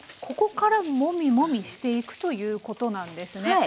ここからモミモミしていくということなんですね。